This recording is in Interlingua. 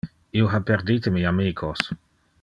Io ha perdite mi amicos.